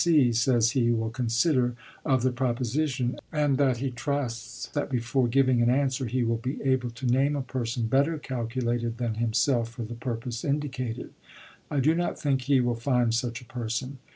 C, says he will consider of the proposition, and that he trusts that before giving an answer he will be able to name a person better calculated than himself for the purpose indicated. I do not think he will find such a person.